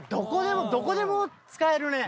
どこでも使えるね。